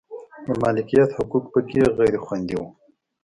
د مالکیت حقوق په کې غیر خوندي و.